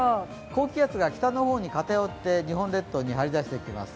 高気圧が北の方に偏って、日本列島に張り出しています。